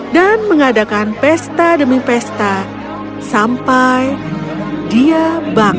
dan mengadakan pesta demi pesta sampai dia bangun